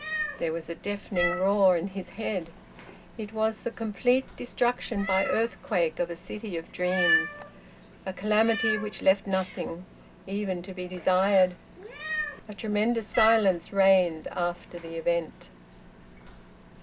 There was a deafening roar in his head. It was the complete destruction by earthquake of a city of dreams. A calamity which left nothing even to be desired! A tremendous silence reigned after the event.